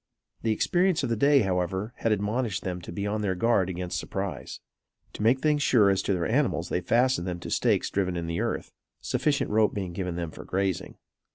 The experience of the day, however, had admonished them to be on their guard against surprise. To make things sure as to their animals, they fastened them to stakes driven in the earth, sufficient rope being given them for grazing.